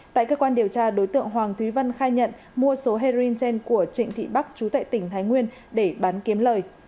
tại cơ quan điều tra đối tượng hoàng thúy vân khai nhận mua số heroin trên của trịnh thị bắc chú tệ tỉnh thái nguyên để bán kiếm lời